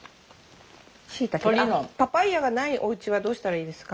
あパパイヤがないおうちはどうしたらいいですか？